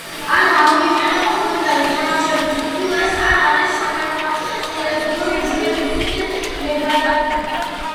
არ გამოიყენო კომპიუტერი თამაშებისთვის, თუ ეს არ არის საგანმანათლებლო მიზნებისთვის ნებადართული.